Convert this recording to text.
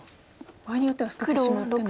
場合によっては捨ててしまってもと。